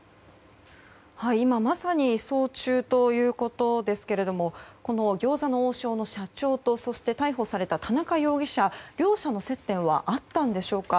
今、まさに移送中ということですが餃子の王将の社長と逮捕された田中容疑者両者の接点はあったのでしょうか。